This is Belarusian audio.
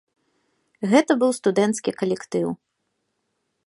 Гэта быў студэнцкі калектыў.